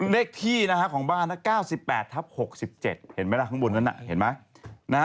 เลขที่ของบ้าน๙๘ทับ๖๗เห็นไหมล่ะข้างบนนั้น